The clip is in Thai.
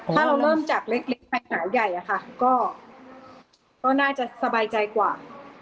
ถ้าเราเริ่มจากเล็กไปหาวใหญ่อะค่ะก็น่าจะสบายใจกว่า